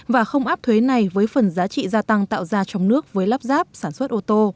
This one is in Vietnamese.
và không áp thuế này với phần giá trị gia tăng tạo ra trong nước với lắp ráp sản xuất ô tô